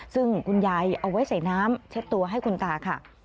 ซึ่งคุณยายเอาไว้ใส่น้ำเช็ดตัวให้คุณตาค่ะ